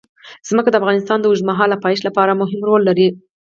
ځمکه د افغانستان د اوږدمهاله پایښت لپاره مهم رول لري.